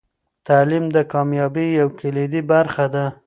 تعلیم د کامیابۍ یوه کلیدي برخه ده.